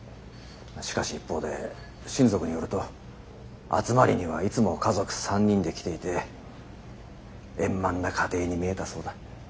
しかし一方で親族によると集まりにはいつも家族３人で来ていて円満な家庭に見えたそうだ。